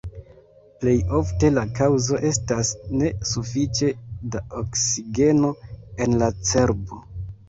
Plej ofte la kaŭzo estas ne sufiĉe da oksigeno en la cerbo.